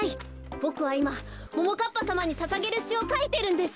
ボクはいまももかっぱさまにささげるしをかいてるんです。